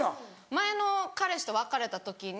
前の彼氏と別れた時に。